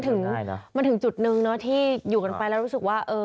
คือมันถึงจุดหนึ่งที่อยู่กันไปแล้วรู้สึกว่า